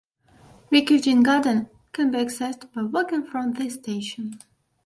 Rikugien Garden can be accessed by walking from this station.